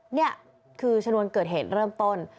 นี่คือชนวนเกิดเหตุเริ่มต้น